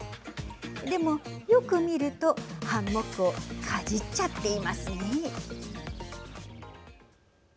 でも、よく見るとハンモックをかじっちゃっていますね。